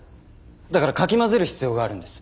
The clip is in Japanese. だからかき混ぜる必要があるんです。